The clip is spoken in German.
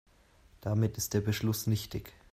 Damit ist der Beschluss nichtig.